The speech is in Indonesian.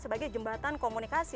sebagai jembatan komunikasi